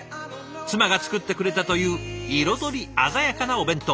妻が作ってくれたという彩り鮮やかなお弁当。